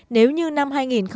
nếu như năm hai nghìn một mươi